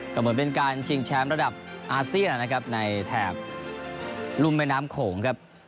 ก็เหมือนเป็นการชิงแชมป์ระดับอาเซียนนะครับในแถบรุ่มแม่น้ำโขงครับ